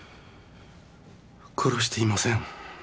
殺していません